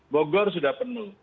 bogor sudah penuh